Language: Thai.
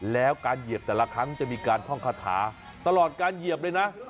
แล้วการเหยียบแต่ละครั้งจะมีการท่องคาถาตลอดการเหยียบเลยนะ